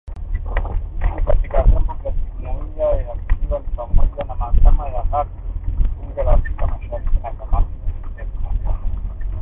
Hii ni katika vyombo vya Jumuiya ikiwa ni pamoja na Mahakama ya Hak, Bunge la Afrika Mashariki na kamati za kisekta.